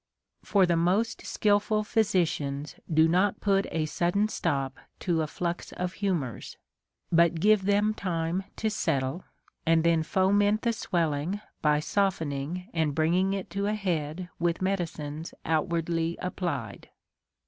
For the most skilful physicians do not put a sudden stop to a flux of humors, but give them time to settle, and then fo ment the swelling by softening and bringing it to a head with medicines outwardly applied.